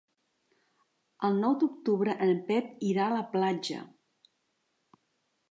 El nou d'octubre en Pep irà a la platja.